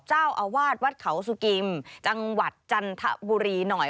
เจ้าอาวาสวัดเขาสุกิมจังหวัดจันทบุรีหน่อย